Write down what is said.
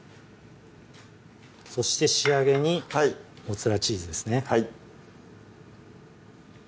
そして仕上げにモッツァレラチーズですね